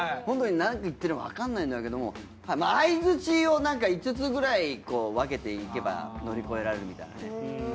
そんとき何言ってるかわかんないんだけども相槌をなんか５つぐらい分けていけば乗り越えられるみたいなね。